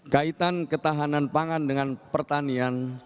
kaitan ketahanan pangan dengan pertanian